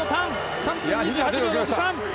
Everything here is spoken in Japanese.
３分２８秒６３。